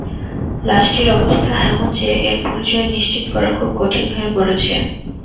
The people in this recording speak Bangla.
লাশটির অবস্থা এমন যে এর পরিচয় নিশ্চিত করা খুব কঠিন হয়ে পড়েছে।